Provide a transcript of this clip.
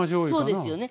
そうですよね。